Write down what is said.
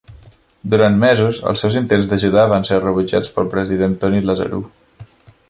Durant mesos, els seus intents d'ajudar van ser rebutjats pel president Tony Lazarou.